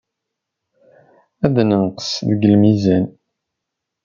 Ad nenqes deg lmizan.